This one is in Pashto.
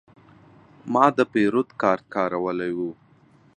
ما د پیرود کارت کارولی و.